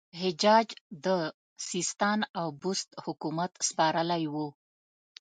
حجاج د سیستان او بست حکومت سپارلی وو.